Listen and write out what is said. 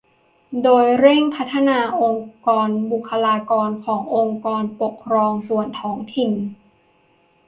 โดยเร่งพัฒนาองค์กรบุคลากรขององค์กรปกครองส่วนท้องถิ่น